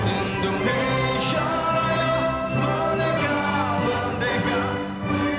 indonesia raya merdeka merdeka